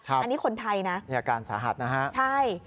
อันนี้คนไทยนะมีอาการสาหัสนะฮะใช่